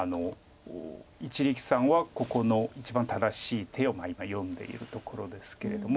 一力さんはここの一番正しい手を今読んでいるところですけれども。